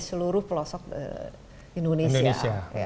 seluruh pelosok indonesia